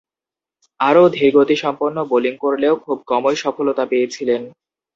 আরও ধীরগতিসম্পন্ন বোলিং করলেও খুব কমই সফলতা পেয়েছিলেন।